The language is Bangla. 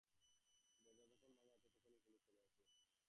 দরজা যখন ভাঙা হচ্ছে তখনই পুলিশ চলে আসে।